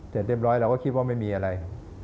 แจนเต็มร้อยเราก็คิดไม่มีอะไร